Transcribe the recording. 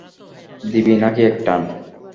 দিবি নাকি এক টান?